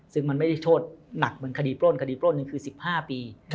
ซึ่งมันไม่ได้โทษหนักเป็นคดีโปรดคดีโปรด๑๕ปี